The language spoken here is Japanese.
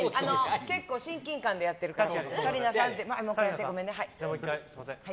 結構親近感でやってるから。